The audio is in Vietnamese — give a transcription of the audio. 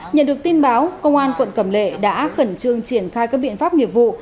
nhận được tin báo công an quận cầm lệ đã khẩn trương triển khai các biện pháp nghiệp vụ